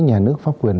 nhà nước pháp quyền